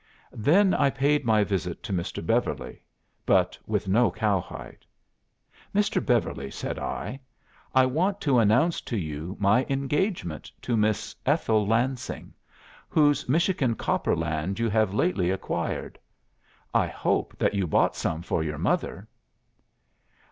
"Then I paid my visit to Mr. Beverly, but with no cowhide. 'Mr. Beverly,' said I, 'I want to announce to you my engagement to Miss Ethel Lansing, whose Michigan copper land you have lately acquired. I hope that you bought some for your mother.